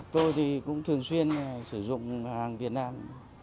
tôi thì cũng thường xuyên sử dụng hàng việt nam